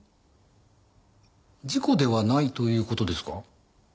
事故ではないという事ですか？